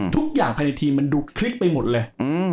ทุกอย่างภายในทีมมันดูคลิกไปหมดเลย